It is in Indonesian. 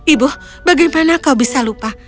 ibu bagaimana kau bisa lupa